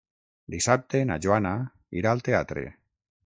Dissabte na Joana irà al teatre.